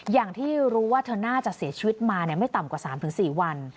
อย่างที่รู้ว่าเธอน่าจะเสียชีวิตมาไม่ต่ำกว่า๓๔วัน